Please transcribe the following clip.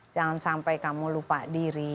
jangan sampai kamu lupa diri